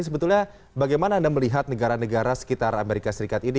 sebetulnya bagaimana anda melihat negara negara sekitar amerika serikat ini